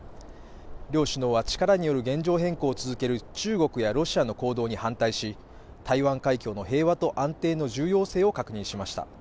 両首脳は力による現状変更を続ける中国やロシアの行動に反対し台湾海峡の平和と安定の重要性を確認しました。